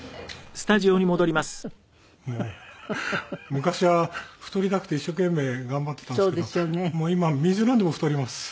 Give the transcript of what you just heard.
昔は太りたくて一生懸命頑張ってたんですけどもう今は水飲んでも太ります。